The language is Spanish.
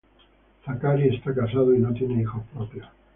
Zachary está casado, y no tiene hijos propios.